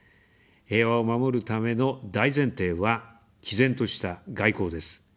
平和を守るための大前提は、きぜんとした外交です。